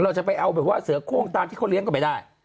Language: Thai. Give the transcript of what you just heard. เราจะไปเอาเสื้อโค้งตามที่เขาเลี้ยงก่อนไปได้